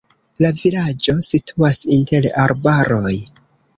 La vilaĝo situas inter arbaroj.